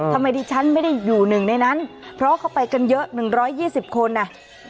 ทำไมดิฉันไม่ได้อยู่หนึ่งในนั้นเพราะเขาไปกันเยอะ๑๒๐คนอ่ะ